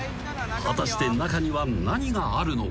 ［果たして中には何があるのか？］